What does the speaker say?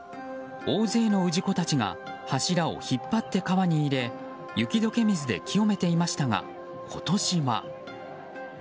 大勢の氏子たちが柱を引っ張って川に入れ雪解け水で清めていましたが今年は。